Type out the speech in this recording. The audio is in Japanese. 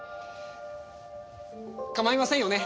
構いませんよね？